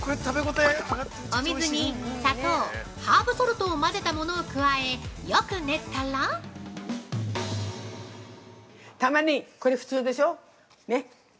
◆お水に、砂糖、ハーブソルトを混ぜたものを加えよく練ったら◆タマネギ、これ、普通でしょう。